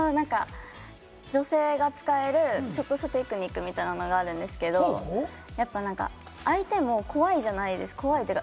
女性が使えるちょっとしたテクニックみたいなのがあるんですけれども、相手も怖いじゃないですか。